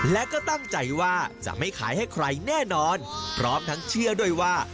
และก็ตั้งใจว่าจะไม่ขายให้ใครแน่นอนพร้อมทั้งเชื่อด้วยว่า